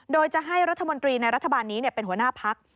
โดยจะให้รัฐมนตรีในรัฐบาลนี้เป็นหัวหน้าพัก